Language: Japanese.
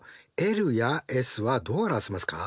ｌやＳはどう表せますか？